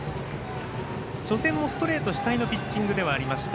初戦もストレート主体のピッチングではありました